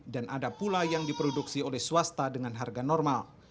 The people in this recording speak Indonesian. dan ada pula yang diproduksi oleh swasta dengan harga normal